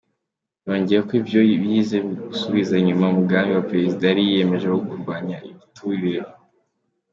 Yongeyeko ko ivyo bije gusubiza inyuma umugambi wa prezida yari yiyemeje wo kugwanya igiturire.